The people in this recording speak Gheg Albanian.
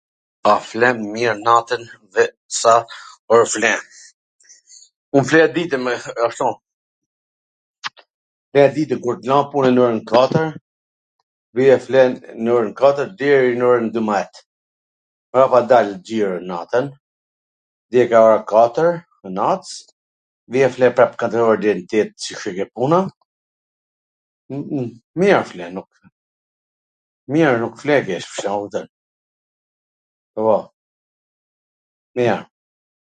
A flen mir natwn dhe sa or flen? Un fle edhe ditwn me ashtu... Fle ditwn, kur t la punwn nw orwn katwr, rri e flen nw orwn katwr deri nw orwn dymbwdhjet, prapa dal xhiro natwn, deri nga ora katwr t nats, vij fle prap katwr or deri nw orwn tet qw shkoj te puna, mir fle, nuk fle keq..